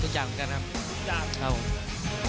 อเจมส์กระจ่างกันครับ